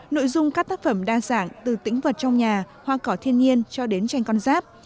nội dung các tác phẩm đa dạng từ tĩnh vật trong nhà hoa cỏ thiên nhiên cho đến tranh con ráp